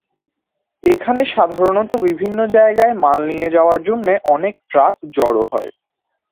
এখানে সাধারণত বিভিন্ন জায়গায় মাল নিয়ে যাওয়ার জন্য অনেক ট্রাক জড়ো হয়।